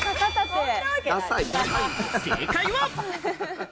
正解は。